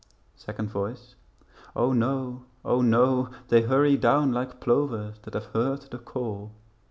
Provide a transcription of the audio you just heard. Second Voice O no, O no, they hurry down Like plovers that have heard the call.